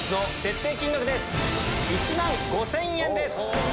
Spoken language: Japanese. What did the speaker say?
１万５０００円です。